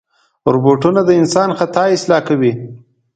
روبوټونه د انسان خطا اصلاح کوي.